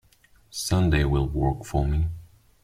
Sunday will not work for me.